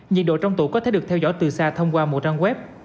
nhiệt độ trong tủ có thể được theo dõi từ xa thông qua một trang web